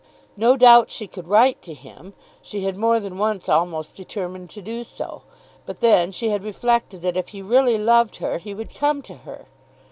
No doubt she could write to him. She had more than once almost determined to do so. But then she had reflected that if he really loved her he would come to her.